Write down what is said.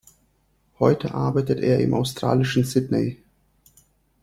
Heute arbeitet er im australischen Sydney.